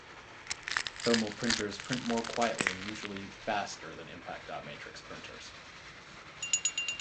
Thermal printers print more quietly and usually faster than impact dot matrix printers.